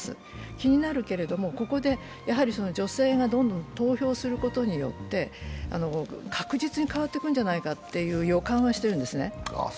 気になるけれども、ここでやはり女性が投票することによって、確実に変わっていくんじゃないかという予感はしてるんですね。